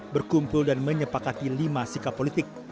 berkumpul dan menyepakati lima sikap politik